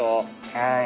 はい。